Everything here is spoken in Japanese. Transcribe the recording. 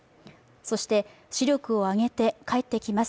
そして視力を上げて、帰ってきます